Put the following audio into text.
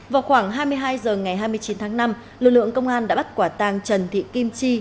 vào khoảng hai mươi hai h ngày hai mươi chín tháng năm lực lượng công an đã bắt quả tàng trần thị kim chi